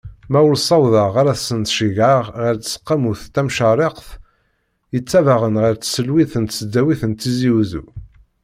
Ma ur ssawḍeɣ ara ad ten-ceyyɛeɣ ɣer tseqqamut tamcarekt, yettabaɛen ɣer tselwit n tesdawit n Tizi Uzzu.